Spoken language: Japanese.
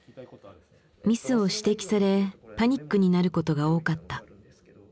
ミスを指摘されパニックになることが多かった。